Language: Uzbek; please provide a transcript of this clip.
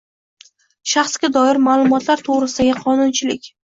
Shaxsga doir ma’lumotlar to‘g‘risidagi qonunchilik